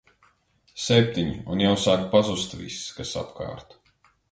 Septiņi un jau sāk pazust viss, kas apkārt.